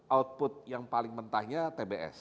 output yang paling mentahnya tbs